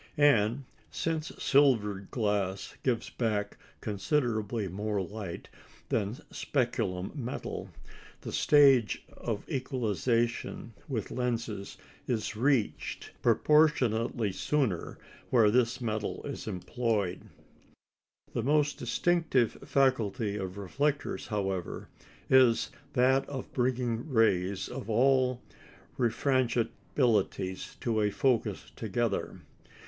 And since silvered glass gives back considerably more light than speculum metal, the stage of equalisation with lenses is reached proportionately sooner where this material is employed. The most distinctive faculty of reflectors, however, is that of bringing rays of all refrangibilities to a focus together.